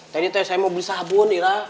tadi saya mau beli sabun ira